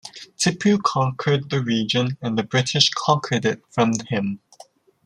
Tipu conquered the region and the British conquered it from him.